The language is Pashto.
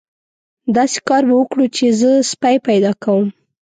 داسې کار به وکړو چې زه سپی پیدا کوم.